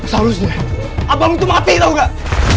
seharusnya abang itu mati tau gak